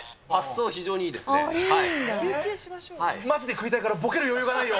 マジで食いたいからボケる余裕がないよ。